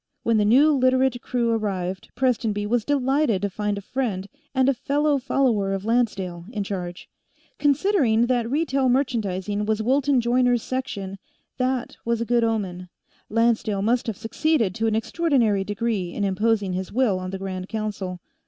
When the new Literate crew arrived, Prestonby was delighted to find a friend, and a fellow follower of Lancedale, in charge. Considering that Retail Merchandising was Wilton Joyner's section, that was a good omen. Lancedale must have succeeded to an extraordinary degree in imposing his will on the Grand Council.